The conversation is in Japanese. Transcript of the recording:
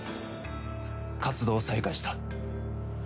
活動を再開した。